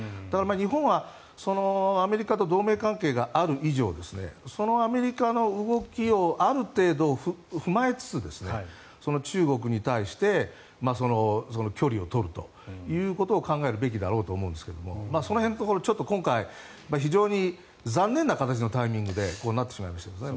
日本はアメリカと同盟関係がある以上そのアメリカの動きをある程度、踏まえつつ中国に対して距離を取るということを考えるべきだろうと思うんですけどもその辺のところ今回、残念なタイミングでなってしまいましたね。